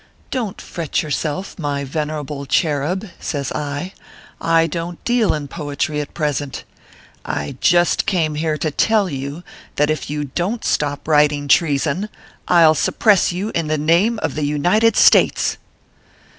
" Don t fret yourself, my venerable cherub," says I ;" I don t deal in poetry at present. I just came here to tell you that if you don t stop writing trea son, I ll suppress you in the name of the United States."